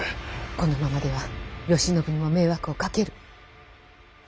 このままでは慶喜にも迷惑をかける。